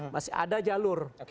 masih ada jalur